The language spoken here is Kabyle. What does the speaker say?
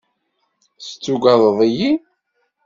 Tugadeḍ-iyi?